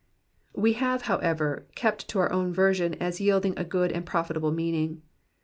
"* "We have, however, kept to our own version as yielding a ^ood and profitable meaning.